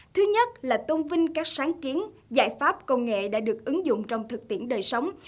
thứ nhất là tôn vinh các sáng kiến giải pháp công nghệ đã được ứng dụng trong thực tiễn đời sống